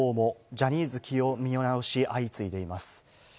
ジャニーズ起用見直し、相次いでいます。